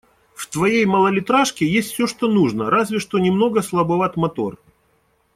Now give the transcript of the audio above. В твоей малолитражке есть всё, что нужно, разве что немного слабоват мотор.